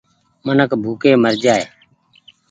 منک ڀوڪي مرجآئي ۔